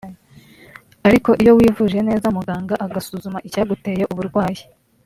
ariko iyo wivuje neza muganga agasuzuma icyaguteye uburwayi